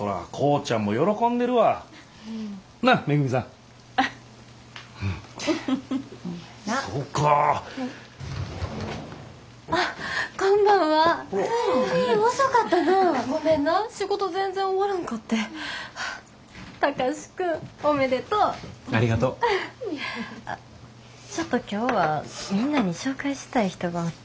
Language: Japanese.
ちょっと今日はみんなに紹介したい人がおって。